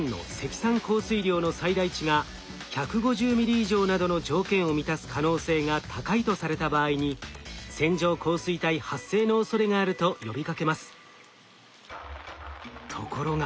降水量の最大値が１５０ミリ以上などの条件を満たす可能性が高いとされた場合に「線状降水帯発生の恐れがある」と呼びかけます。